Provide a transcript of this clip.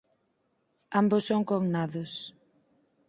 Ambos son cognados.